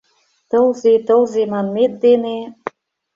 Тылзе, тылзе манмет дене